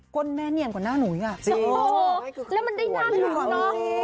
ก้นแม่เนียนกว่าหน้าหนูอย่างงี้อ่ะจริงแล้วมันได้นั่นไม่เป็นความจริง